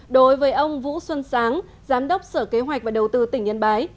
đối với ông vũ xuân sáng giám đốc sở kế hoạch và đầu tư tỉnh yên bái